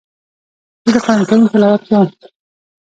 زه د قرآن کريم تلاوت کوم.